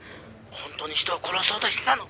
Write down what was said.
本当に人を殺そうとしてたの。